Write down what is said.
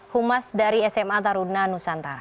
humas dari sma taruna nusantara